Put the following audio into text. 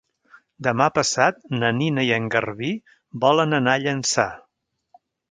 Demà passat na Nina i en Garbí volen anar a Llançà.